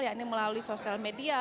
yakni melalui sosial media